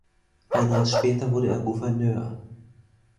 Ein Jahr später wurde er Gouverneur.